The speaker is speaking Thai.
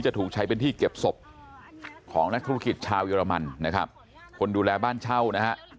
ถูกใช้เป็นที่เก็บศพของนักธุรกิจชาวเยอรมันนะครับคนดูแลบ้านเช่านะฮะ